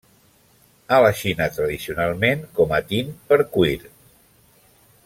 A la Xina tradicionalment com a tint per cuir.